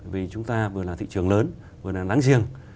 vì chúng ta vừa là thị trường lớn vừa là nắng riêng